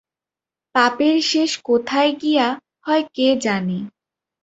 পাপের শেষ কোথায় গিয়া হয় কে জানে।